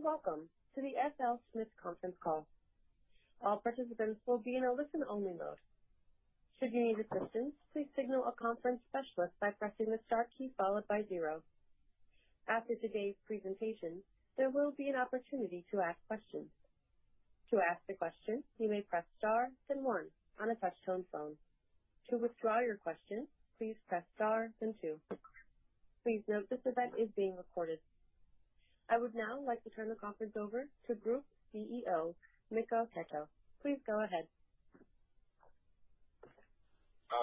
Good day and welcome to the FLSmidth conference call. All participants will be in a listen-only mode. Should you need assistance, please signal a conference specialist by pressing the star key followed by zero. After today's presentation, there will be an opportunity to ask questions. To ask a question, you may press star then one on a touch-tone phone. To withdraw your question, please press star then two. Please note this event is being recorded. I would now like to turn the conference over to Group CEO, Mikko Keto. Please go ahead.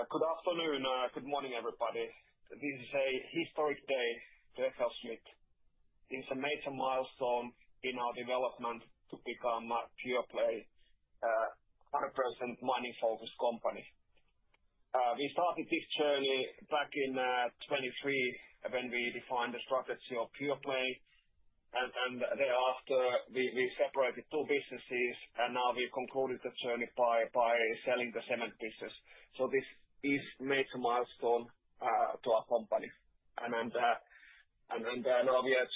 Good afternoon and good morning, everybody. This is a historic day for FLSmidth. It's a major milestone in our development to become a pure-play, 100% mining-focused company. We started this journey back in 2023 when we defined the strategy of pure play, and thereafter we separated two businesses, and now we concluded the journey by selling the cement business, so this is a major milestone to our company, and now we are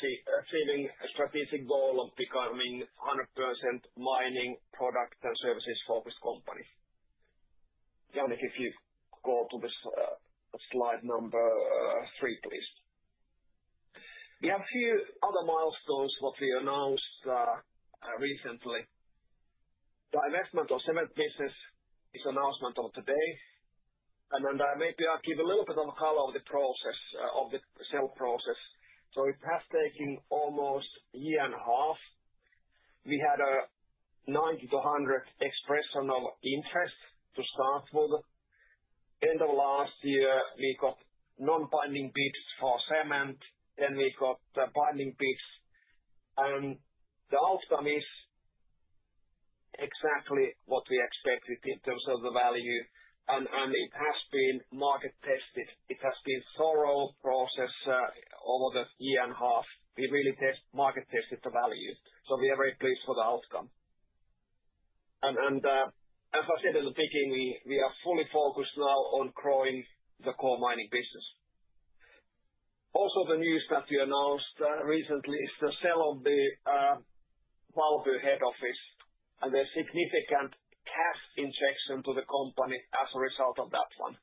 achieving a strategic goal of becoming a 100% mining product and services-focused company. Jonathan, if you go to this slide number three, please. We have a few other milestones that we announced recently. The divestment of cement business is the announcement of today, and maybe I'll give a little bit of a color of the process, of the sale process. So it has taken almost a year and a half. We had a 90-100 expression of interest to start with. End of last year, we got non-binding bids for cement, then we got binding bids, and the outcome is exactly what we expected in terms of the value. It has been market-tested. It has been a thorough process over the year and a half. We really market-tested the value, so we are very pleased with the outcome, and as I said at the beginning, we are fully focused now on growing the core mining business. Also, the news that we announced recently is the sale of the Valby head office and the significant cash injection to the company as a result of that one,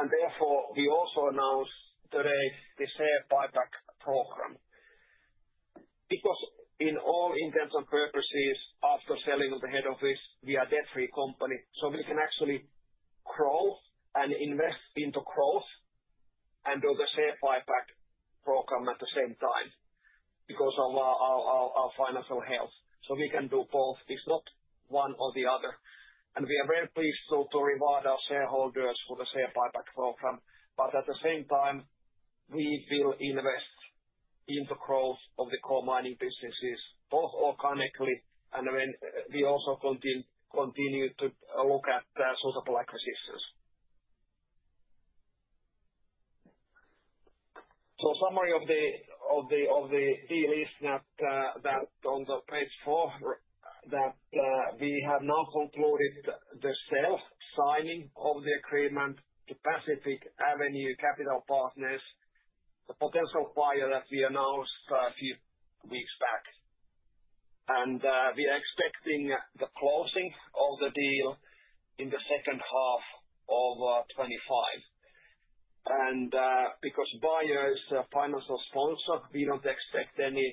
and therefore, we also announced today the share buyback program. Because in all intents and purposes, after selling of the head office, we are a debt-free company. So we can actually grow and invest into growth and do the share buyback program at the same time because of our financial health. So we can do both. It's not one or the other. And we are very pleased to reward our shareholders for the share buyback program. But at the same time, we will invest into growth of the core mining businesses, both organically. And then we also continue to look at suitable acquisitions. So summary of the deal is that on page four, that we have now concluded the sale, signing of the agreement to Pacific Avenue Capital Partners, the potential buyer that we announced a few weeks back. And we are expecting the closing of the deal in the second half of 2025. And because the buyer is a financial sponsor, we don't expect any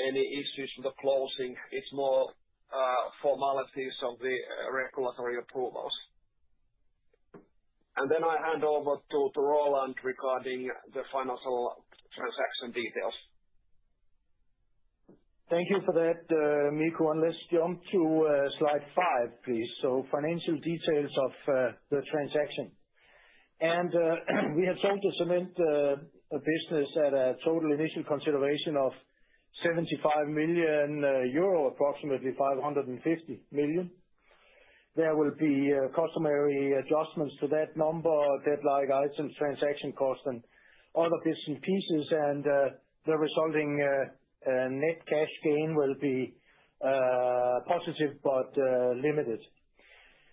issues with the closing. It's more formalities of the regulatory approvals. And then I hand over to Roland regarding the financial transaction details. Thank you for that, Mikko. Let's jump to slide five, please. So financial details of the transaction. And we have sold the cement business at a total initial consideration of 75 million euro, approximately 550 million. There will be customary adjustments to that number, debt-like items, transaction costs, and other bits and pieces. And the resulting net cash gain will be positive but limited.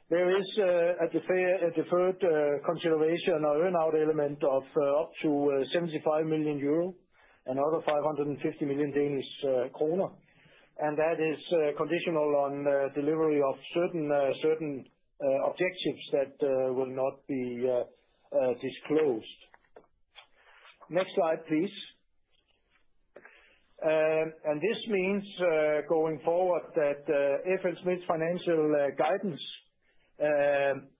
There is a deferred consideration or earn-out element of up to 75 million euro and other 550 million Danish kroner. And that is conditional on delivery of certain objectives that will not be disclosed. Next slide, please. And this means going forward that FLSmidth's financial guidance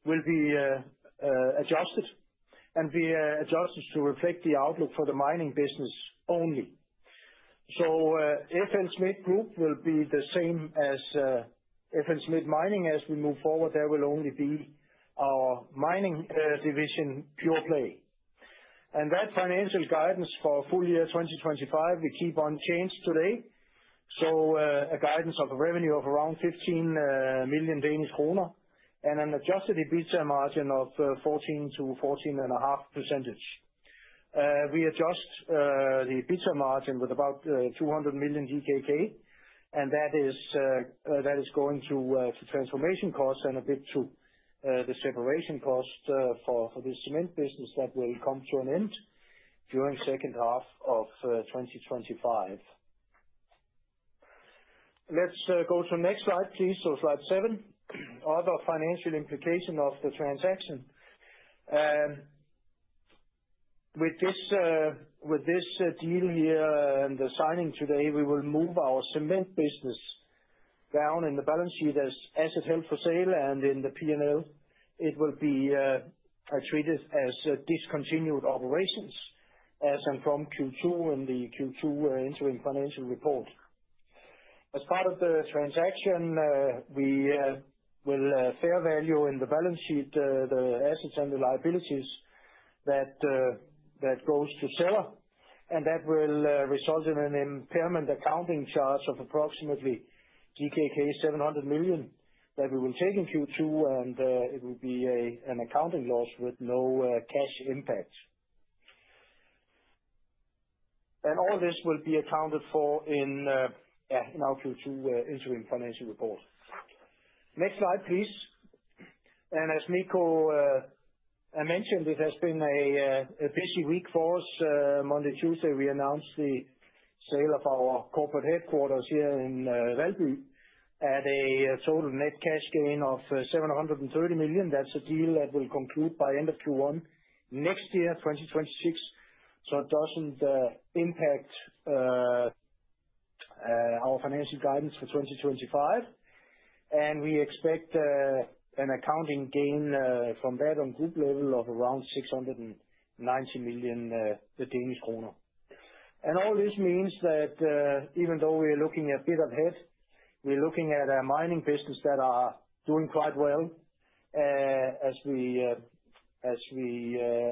will be adjusted. And the adjustments to reflect the outlook for the mining business only. So FLSmidth Group will be the same as FLSmidth Mining. As we move forward, there will only be our mining division pure play. That financial guidance for full year 2025, we keep unchanged today. A guidance of a revenue of around 15 million Danish kroner and an adjusted EBITDA margin of 14%-14.5%. We adjust the EBITDA margin with about 200 million. That is going to transformation costs and a bit to the separation cost for this cement business that will come to an end during the second half of 2025. Let's go to the next slide, please. Slide 7, other financial implications of the transaction. With this deal here and the signing today, we will move our cement business down in the balance sheet as asset held for sale. In the P&L, it will be treated as discontinued operations as from Q2 and the Q2 interim financial report. As part of the transaction, we will fair value in the balance sheet the assets and the liabilities that go to seller. And that will result in an impairment accounting charge of approximately 700 million that we will take in Q2. And it will be an accounting loss with no cash impact. And all this will be accounted for in our Q2 interim financial report. Next slide, please. And as Mikko mentioned, it has been a busy week for us. Monday, Tuesday, we announced the sale of our corporate headquarters here in Valby at a total net cash gain of 730 million. That's a deal that will conclude by end of Q1 next year, 2026. So it doesn't impact our financial guidance for 2025. And we expect an accounting gain from that on group level of around 690 million. All this means that even though we are looking a bit ahead, we're looking at our mining business that are doing quite well. As we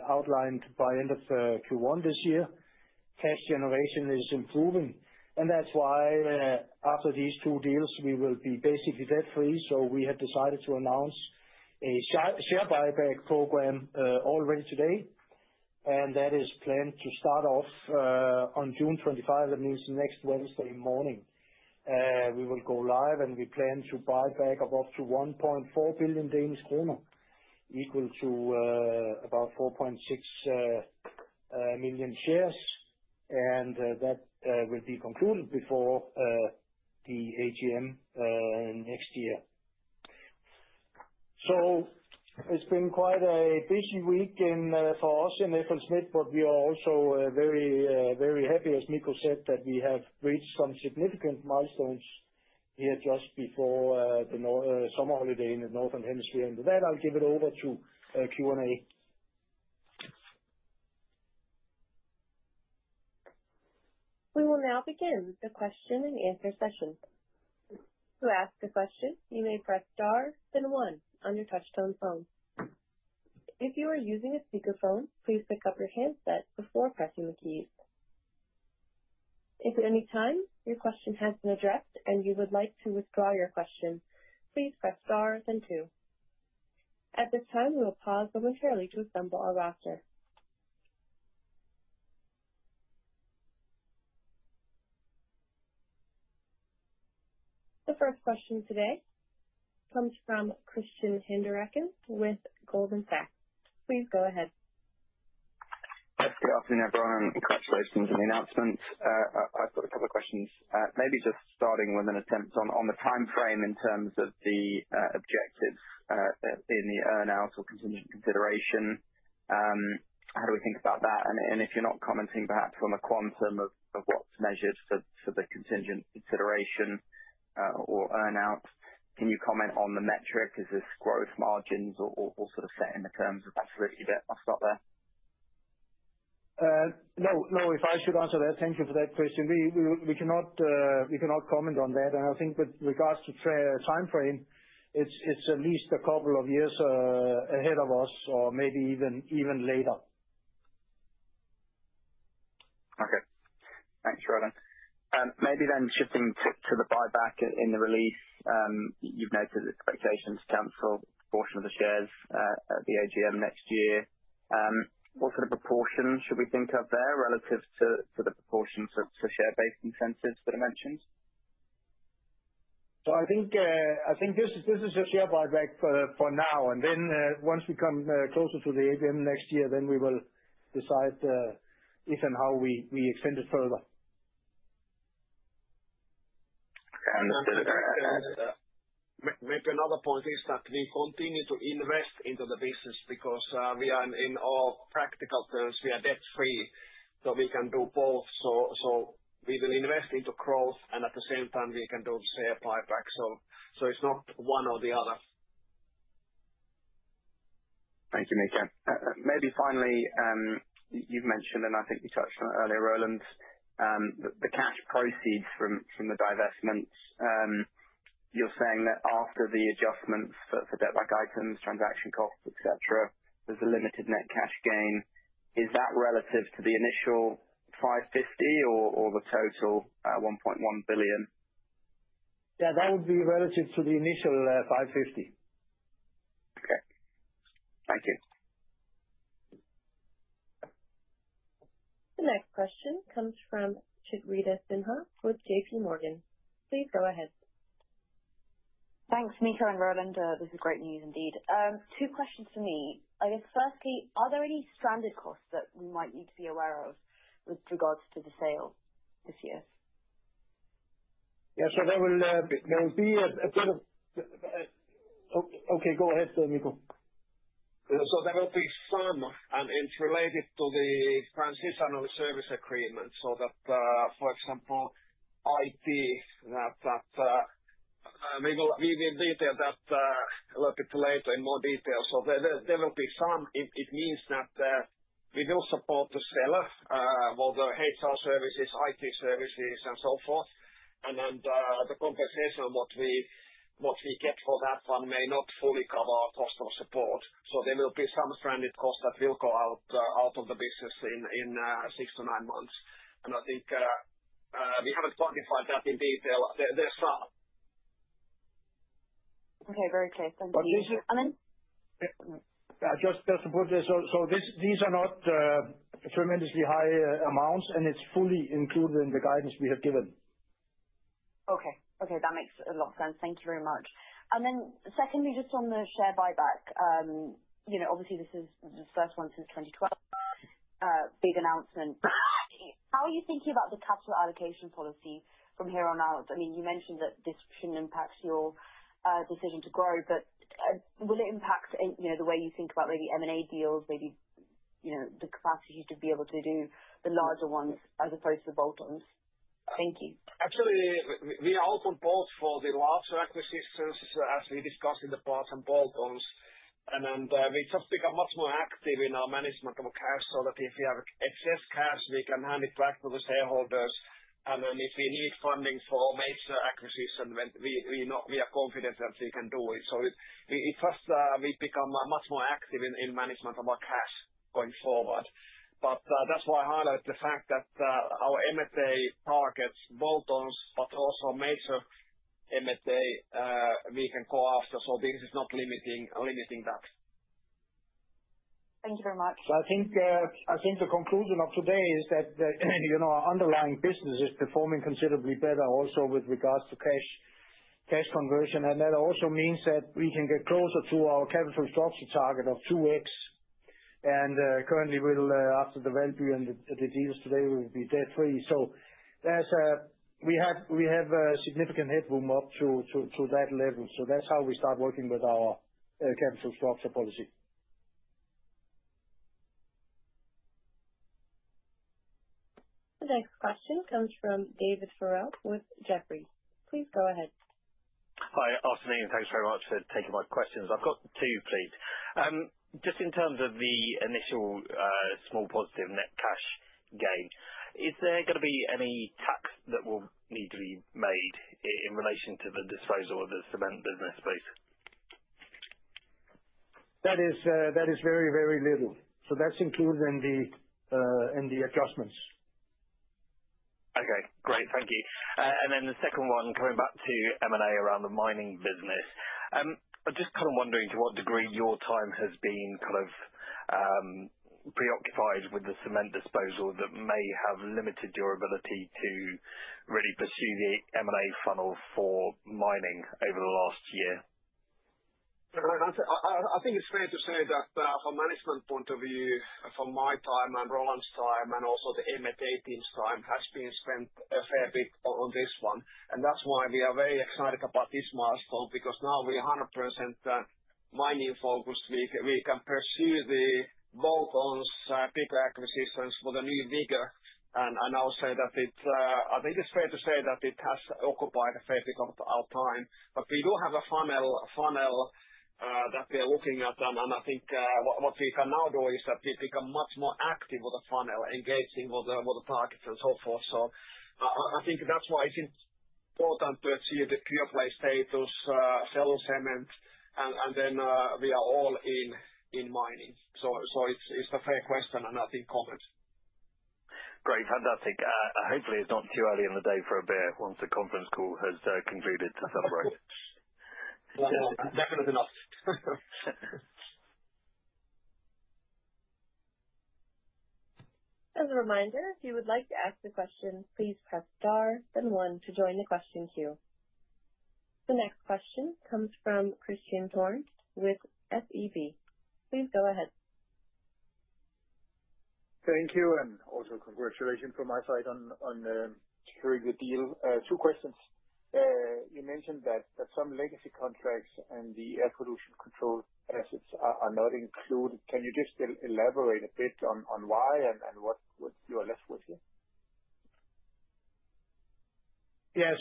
outlined by end of Q1 this year, cash generation is improving. And that's why after these two deals, we will be basically debt-free. So we have decided to announce a share buyback program already today. And that is planned to start off on June 25. That means next Wednesday morning, we will go live. And we plan to buy back of up to 1.4 billion Danish kroner, equal to about 4.6 million shares. And that will be concluded before the AGM next year. So it's been quite a busy week for us in FLSmidth, but we are also very happy, as Mikko said, that we have reached some significant milestones here just before the summer holiday in the northern hemisphere. And with that, I'll give it over to Q&A. We will now begin the question and answer session. To ask a question, you may press star then one on your touch-tone phone. If you are using a speakerphone, please pick up your handset before pressing the keys. If at any time your question has been addressed and you would like to withdraw your question, please press star then two. At this time, we will pause momentarily to assemble our roster. The first question today comes from Christian Hinderaker with Goldman Sachs. Please go ahead. Good afternoon, everyone. And congratulations on the announcement. I've got a couple of questions. Maybe just starting with an attempt on the time frame in terms of the objectives in the earn-out or contingent consideration. How do we think about that? And if you're not commenting, perhaps on the quantum of what's measured for the contingent consideration or earn-out, can you comment on the metric? Is this growth margins or sort of set in the terms of absolutely debt? I'll stop there. No, no. If I should answer that, thank you for that question. We cannot comment on that. And I think with regards to time frame, it's at least a couple of years ahead of us or maybe even later. Okay. Thanks, Roland. Maybe then shifting to the buyback in the release, you've noted expectations to account for a portion of the shares at the AGM next year. What sort of proportion should we think of there relative to the proportion to share-based incentives that are mentioned? So I think this is a share buyback for now. And then once we come closer to the AGM next year, then we will decide if and how we extend it further. Okay. Maybe another point is that we continue to invest into the business because we are in all practical terms, we are debt-free. So we can do both. So we will invest into growth. And at the same time, we can do share buyback. So it's not one or the other. Thank you, Mikko. Maybe finally, you've mentioned, and I think we touched on it earlier, Roland, the cash proceeds from the divestments. You're saying that after the adjustments for debt-like items, transaction costs, etc., there's a limited net cash gain. Is that relative to the initial 550 million or the total 1.1 billion? Yeah, that would be relative to the initial 550 million. Okay. Thank you. The next question comes from Chitrita Sinha with J.P. Morgan. Please go ahead. Thanks, Mikko and Roland. This is great news indeed. Two questions for me. I guess, firstly, are there any stranded costs that we might need to be aware of with regards to the sale this year? Yeah. So there will be a bit of, okay, go ahead, Mikko. So there will be some, and it's related to the Transitional Service Agreement. So that, for example, IT, we will detail that a little bit later in more detail. So there will be some. It means that we do support the seller, whether HR services, IT services, and so forth. And the compensation, what we get for that one may not fully cover our cost of support. So there will be some stranded costs that will go out of the business in six to nine months. And I think we haven't quantified that in detail. There's some. Okay. Very clear. Thank you. Just to put this, so these are not tremendously high amounts, and it's fully included in the guidance we have given. Okay. Okay. That makes a lot of sense. Thank you very much. And then secondly, just on the share buyback, obviously, this is the first one since 2012, big announcement. How are you thinking about the capital allocation policy from here on out? I mean, you mentioned that this shouldn't impact your decision to grow, but will it impact the way you think about maybe M&A deals, maybe the capacity to be able to do the larger ones as opposed to the bolt-ons? Thank you. Actually, we are open both for the larger acquisitions as we discussed in the past and bolt-ons, and then we just become much more active in our management of cash so that if we have excess cash, we can hand it back to the shareholders, and then if we need funding for major acquisitions, we are confident that we can do it, so we become much more active in management of our cash going forward, but that's why I highlight the fact that our M&A targets, bolt-ons, but also major M&A, we can go after, so this is not limiting that. Thank you very much. I think the conclusion of today is that our underlying business is performing considerably better also with regards to cash conversion. And that also means that we can get closer to our capital structure target of 2x. And currently, after the Valby and the deals today, we will be debt-free. So we have significant headroom up to that level. So that's how we start working with our capital structure policy. The next question comes from David Farrell with Jefferies. Please go ahead. Hi. Afternoon. Thanks very much for taking my questions. I've got two, please. Just in terms of the initial small positive net cash gain, is there going to be any tax that will need to be made in relation to the disposal of the cement business, please? That is very, very little. So that's included in the adjustments. Okay. Great. Thank you. And then the second one, coming back to M&A around the mining business, I'm just kind of wondering to what degree your time has been kind of preoccupied with the cement disposal that may have limited your ability to really pursue the M&A funnel for mining over the last year? I think it's fair to say that from a management point of view, from my time and Roland's time and also the M&A team's time has been spent a fair bit on this one. And that's why we are very excited about this milestone because now we are 100% mining-focused. We can pursue the bolt-ons, bigger acquisitions with new vigor. And I'll say that it's fair to say that it has occupied a fair bit of our time. But we do have a funnel that we are looking at. And I think what we can now do is that we become much more active with the funnel, engaging with the targets and so forth. So I think that's why it's important to achieve the pure play status, selling cement, and then we are all in mining. So it's a fair question and no comment. Great. Fantastic. Hopefully, it's not too early in the day for a beer once the conference call has concluded to celebrate. Definitely not. As a reminder, if you would like to ask a question, please press star then one to join the question queue. The next question comes from Christian Thorn with SEB. Please go ahead. Thank you. And also congratulations from my side on a very good deal. Two questions. You mentioned that some legacy contracts and the air pollution control assets are not included. Can you just elaborate a bit on why and what you are left with here? Yeah.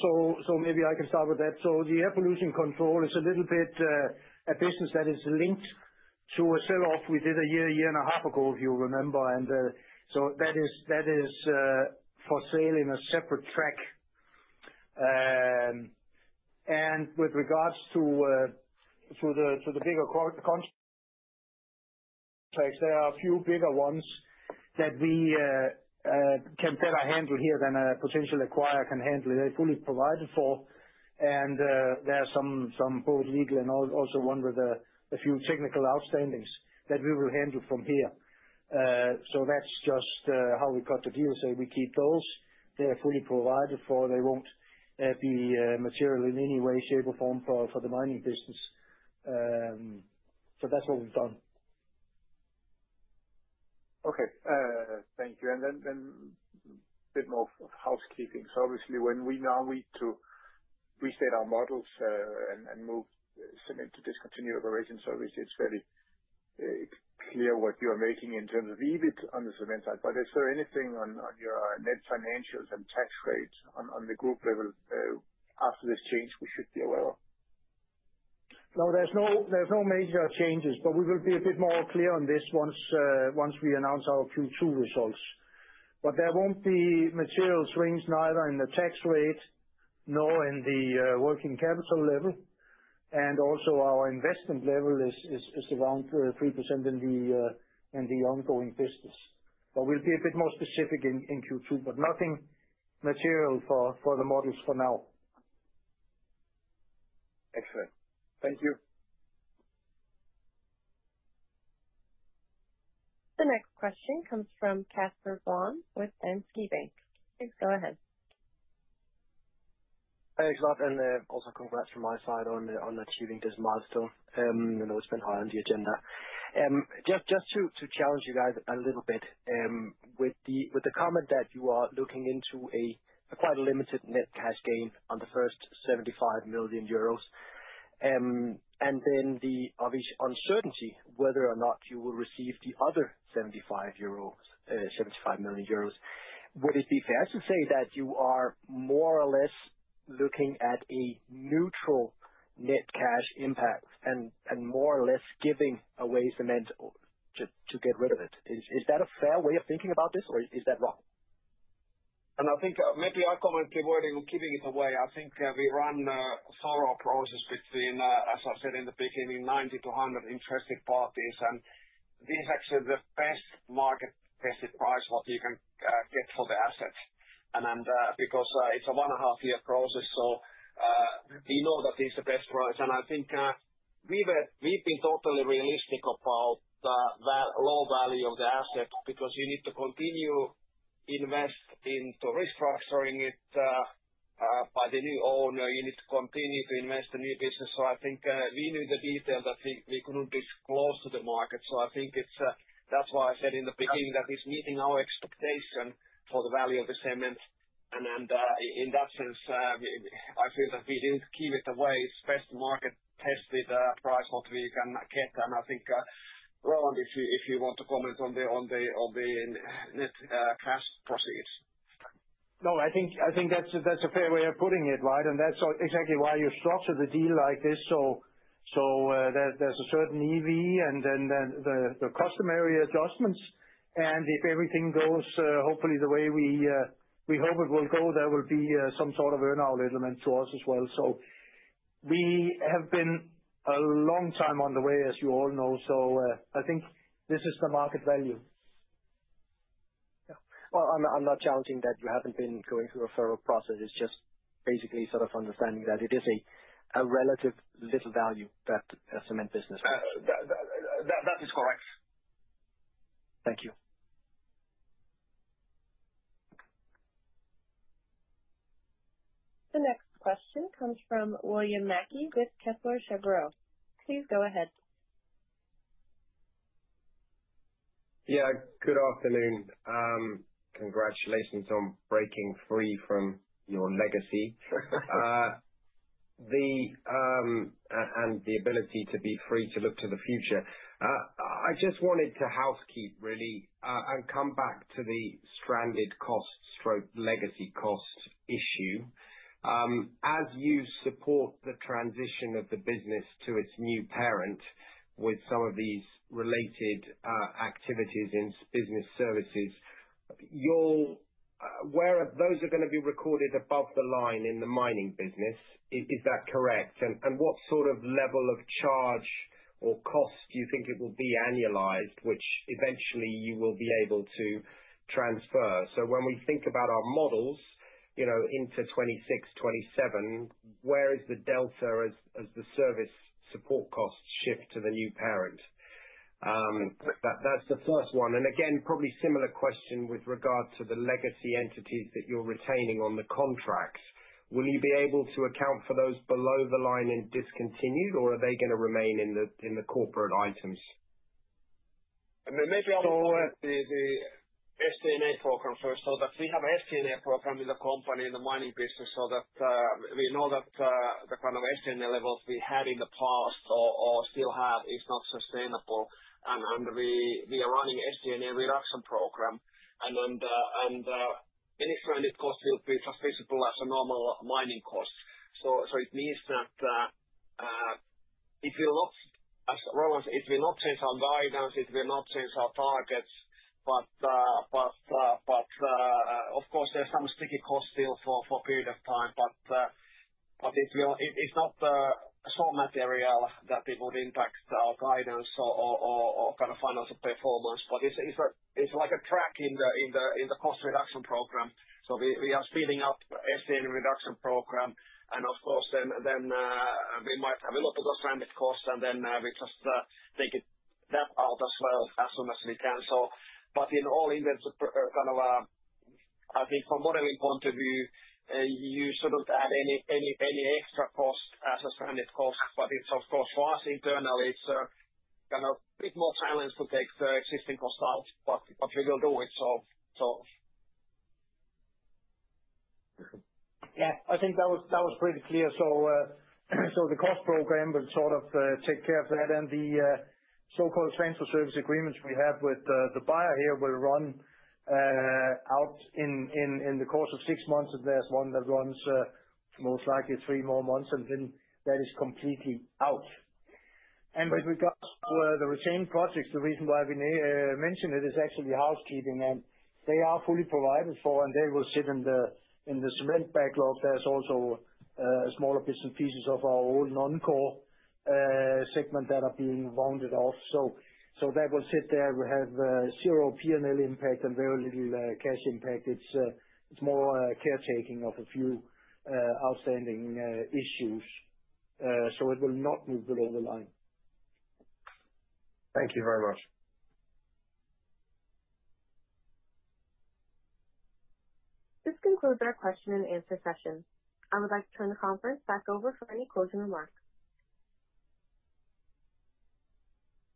So maybe I can start with that. So the air pollution control is a little bit a business that is linked to a sell-off we did a year, year and a half ago, if you remember. And so that is for sale in a separate track. And with regards to the bigger contracts, there are a few bigger ones that we can better handle here than a potential acquirer can handle. They're fully provided for. And there are some both legal and also one with a few technical outstandings that we will handle from here. So that's just how we got the deal. So we keep those. They're fully provided for. They won't be material in any way, shape, or form for the mining business. So that's what we've done. Okay. Thank you. And then a bit more of housekeeping. So obviously, when we now need to reset our models and move cement to Discontinued operations, obviously, it's very clear what you are making in terms of EBITDA on the cement side. But is there anything on your net financials and tax rates on the group level after this change we should be aware of? No, there's no major changes, but we will be a bit more clear on this once we announce our Q2 results, but there won't be material swings neither in the tax rate nor in the working capital level, and also our investment level is around 3% in the ongoing business, but we'll be a bit more specific in Q2, but nothing material for the models for now. Excellent. Thank you. The next question comes from Casper Blom with Danske Bank. Please go ahead. Thanks, Roland. Also congrats from my side on achieving this milestone. I know it's been high on the agenda. Just to challenge you guys a little bit with the comment that you are looking into a quite limited net cash gain on the first 75 million euros, and then the obvious uncertainty whether or not you will receive the other 75 million euros, would it be fair to say that you are more or less looking at a neutral net cash impact and more or less giving away cement to get rid of it? Is that a fair way of thinking about this, or is that wrong? I think maybe I'll comment keeping it away. I think we run a thorough process between, as I said in the beginning, 90-100 interested parties. And this is actually the best market-tested price what you can get for the asset. And because it's a one-and-a-half-year process, so we know that it's the best price. And I think we've been totally realistic about the low value of the asset because you need to continue to invest into restructuring it by the new owner. You need to continue to invest in new business. So I think we knew the detail that we couldn't disclose to the market. So I think that's why I said in the beginning that it's meeting our expectation for the value of the cement. And in that sense, I feel that we didn't keep it away. It's best market-tested price what we can get. I think, Roland, if you want to comment on the net cash proceeds. No, I think that's a fair way of putting it, right? And that's exactly why you structure the deal like this. So there's a certain EV and then the customary adjustments. And if everything goes hopefully the way we hope it will go, there will be some sort of earn-out to us as well. So we have been a long time on the way, as you all know. So I think this is the market value. Yeah. Well, I'm not challenging that you haven't been going through a thorough process. It's just basically sort of understanding that it is a relatively little value that cement business. That is correct. Thank you. The next question comes from William Mackie with Kepler Cheuvreux. Please go ahead. Yeah. Good afternoon. Congratulations on breaking free from your legacy and the ability to be free to look to the future. I just wanted to housekeep, really, and come back to the stranded cost/legacy cost issue. As you support the transition of the business to its new parent with some of these related activities in business services, those are going to be recorded above the line in the mining business. Is that correct? And what sort of level of charge or cost do you think it will be annualized, which eventually you will be able to transfer? So when we think about our models into 2026, 2027, where is the delta as the service support costs shift to the new parent? That's the first one. And again, probably similar question with regard to the legacy entities that you're retaining on the contracts. Will you be able to account for those below the line and discontinued, or are they going to remain in the corporate items? Maybe I'll start with the SG&A program first so that we have an SG&A program in the company in the mining business so that we know that the kind of SG&A levels we had in the past or still have is not sustainable. And we are running SG&A reduction program. And any stranded cost will be transmissible as a normal mining cost. So it means that it will not, as Roland, it will not change our guidance. It will not change our targets. But of course, there's some sticky cost still for a period of time. But it's not so material that it would impact our guidance or kind of financial performance. But it's like a track in the cost reduction program. So we are speeding up the SG&A reduction program. And of course, then we might have a look at the stranded cost, and then we just take that out as well as soon as we can. But in all intents and purposes, kind of, I think from a modeling point of view, you shouldn't add any extra cost as a stranded cost. But of course, for us internally, it's kind of a bit more challenge to take the existing cost out, but we will do it, so. Yeah. I think that was pretty clear. So the cost program will sort of take care of that. And the so-called transitional service agreements we have with the buyer here will run out in the course of six months. And there's one that runs most likely three more months, and then that is completely out. And with regards to the retained projects, the reason why we mention it is actually housekeeping. And they are fully provided for, and they will sit in the cement backlog. There's also smaller bits and pieces of our old non-core segment that are being rounded off. So that will sit there. We have zero P&L impact and very little cash impact. It's more caretaking of a few outstanding issues. So it will not move below the line. Thank you very much. This concludes our question and answer session. I would like to turn the conference back over for any closing remarks.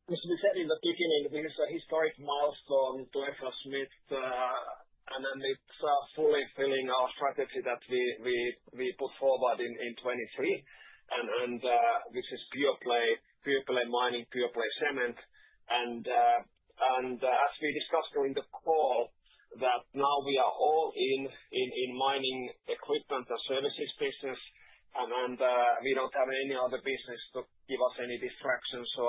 Mr. Keto, in the beginning, this is a historic milestone for FLSmidth. And then it's fully fulfilling our strategy that we put forward in 2023. And this is pure play, pure play mining, pure play cement. And as we discussed during the call, now we are all in mining equipment and services business, and we don't have any other business to give us any distraction. So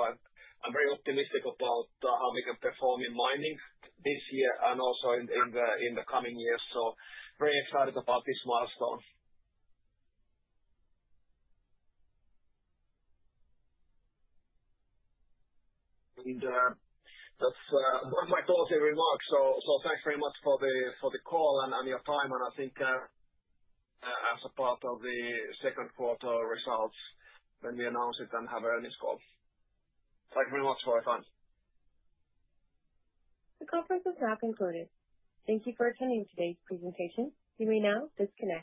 I'm very optimistic about how we can perform in mining this year and also in the coming years. So very excited about this milestone. And that's my closing remarks. So thanks very much for the call and your time. And I think as a part of the second quarter results when we announce it and have an earnings call. Thank you very much for your time. The conference is now concluded. Thank you for attending today's presentation. You may now disconnect.